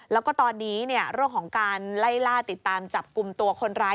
แล้วก็ตอนนี้เรื่องของการไล่ล่าติดตามจับกลุ่มตัวคนร้าย